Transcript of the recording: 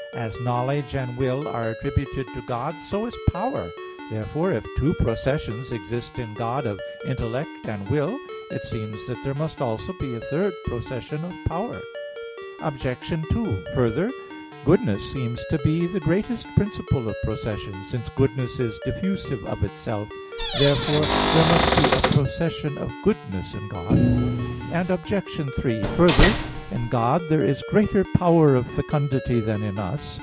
As knowledge and will are attributed to God, so is power. Therefore, if two processions exist in God, of intellect and will, it seems that there must also be a third procession of power. Obj. 2: Further, goodness seems to be the greatest principle of procession, since goodness is diffusive of itself. Therefore there must be a procession of goodness in God. Obj. 3: Further, in God there is greater power of fecundity than in us.